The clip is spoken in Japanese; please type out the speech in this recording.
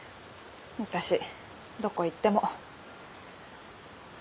私どこ行っても。